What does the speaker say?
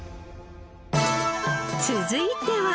続いては。